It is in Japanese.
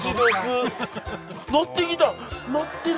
乗ってきた。